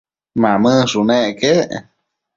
Mamënshunec quec